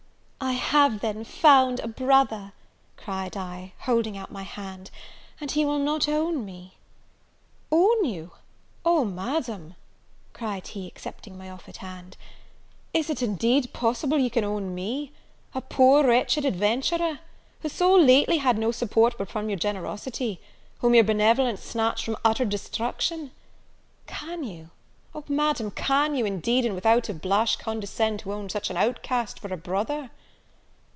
"I have, then, found a brother," cried I, holding out my hand, "and he will not own me!" "Own you! Oh, Madam," cried he, accepting my offered hand, "is it indeed possible you can own me? a poor, wretched adventurer! who so lately had no support but from your generosity? whom your benevolence snatched from utter destruction? Can you, Oh, Madam, can you, indeed, and without a blush, condescend to own such an outcast for a brother?"